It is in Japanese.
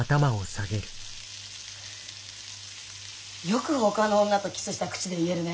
よくほかの女とキスした口で言えるね。